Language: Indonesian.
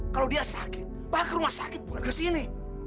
kalau dia sakit pak rumah sakit bukan kesini